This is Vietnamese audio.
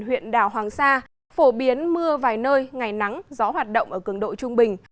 huyện đảo hoàng sa phổ biến mưa vài nơi ngày nắng gió hoạt động ở cường độ trung bình